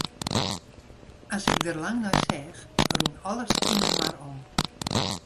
As ik der lang nei seach, rûn alles yninoar om.